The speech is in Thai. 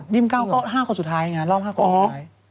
บิมเก้าก็๕คนสุดท้ายไงรอบ๕คนสุดท้าย